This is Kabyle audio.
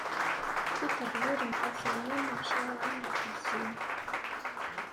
Tiṭ d wul mxaṣamen, mcaraɛen ɣef zzin.